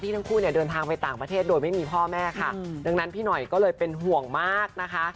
ทั้งคู่เนี่ยเดินทางไปต่างประเทศโดยไม่มีพ่อแม่ค่ะดังนั้นพี่หน่อยก็เลยเป็นห่วงมากนะคะ